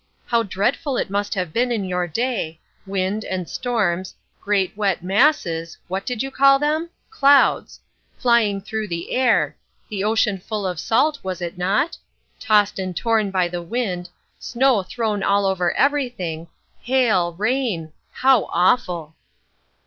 How dreadful it must have been in your day—wind and storms, great wet masses—what did you call them?—clouds—flying through the air, the ocean full of salt, was it not?—tossed and torn by the wind, snow thrown all over everything, hail, rain—how awful!"